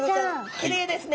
きれいですね。